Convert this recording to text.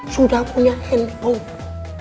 sudah punya handphone